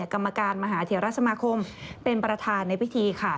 กรรมการมหาเถียรสมาคมเป็นประธานในพิธีค่ะ